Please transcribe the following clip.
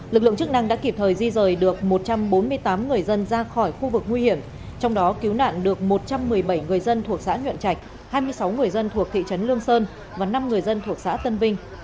lực lượng chức năng đã kịp thời di rời được một trăm bốn mươi tám người dân ra khỏi khu vực nguy hiểm trong đó cứu nạn được một trăm một mươi bảy người dân thuộc xã nhuận trạch hai mươi sáu người dân thuộc thị trấn lương sơn và năm người dân thuộc xã tân vinh